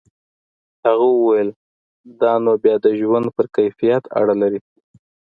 هغه وویل دا نو بیا د ژوند پر کیفیت اړه لري.